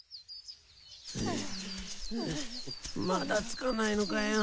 まだ着かないのかよ。